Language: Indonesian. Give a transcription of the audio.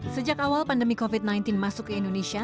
sejak awal pandemi covid sembilan belas masuk ke indonesia